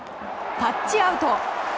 タッチアウト！